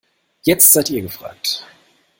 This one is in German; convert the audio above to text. Jetzt seid ihr gefragt.